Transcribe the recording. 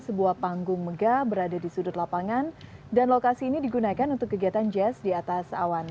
sebuah panggung megah berada di sudut lapangan dan lokasi ini digunakan untuk kegiatan jazz di atas awan